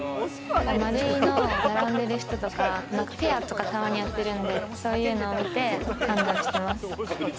マルイの並んでる人とか、フェアとか、たまにやってるんで、そういうのを見て判断してます。